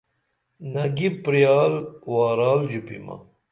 نگی پریال وارال ژوپیمہ